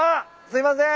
すいません。